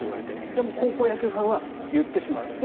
でも高校野球ファンは言ってしまう。